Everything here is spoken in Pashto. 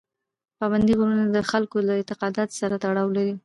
پابندي غرونه د خلکو له اعتقاداتو سره تړاو لري.